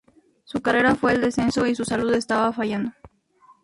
Su carrera fue en descenso y su salud estaba fallando.